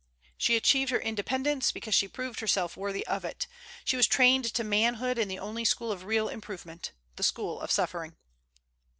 She achieved her independence because she proved herself worthy of it; she was trained to manhood in the only school of real improvement, the school of suffering."